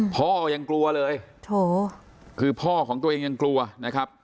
พ่อยังกลัวเลยโถคือพ่อของตัวเองยังกลัวนะครับ